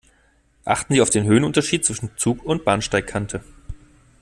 Achten Sie auf den Höhenunterschied zwischen Zug und Bahnsteigkante.